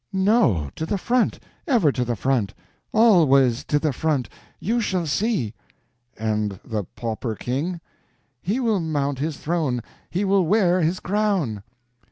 "No; to the front—ever to the front—always to the front! You shall see." "And the pauper King?" "He will mount his throne—he will wear his crown."